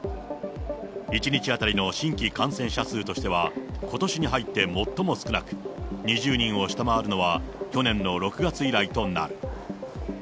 １日当たりの新規感染者数としては、ことしに入って最も少なく、２０人を下回るのは去年の６月以来となる。